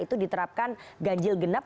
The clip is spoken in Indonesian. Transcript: itu diterapkan ganjil genap